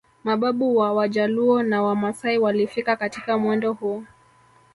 Mababu wa Wajaluo na Wamasai walifika katika mwendo huu